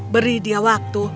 beri dia waktu